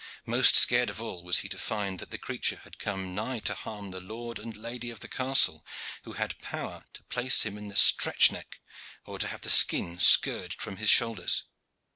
Most scared of all was he to find that the creature had come nigh to harm the Lord and Lady of the castle, who had power to place him in the stretch neck or to have the skin scourged from his shoulders.